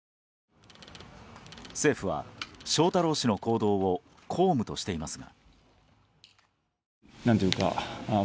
政府は、翔太郎氏の行動を公務としていますが。